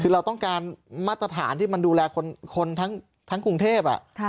คือเราต้องการมาตรฐานที่มันดูแลคนคนทั้งทั้งกรุงเทพอ่ะค่ะ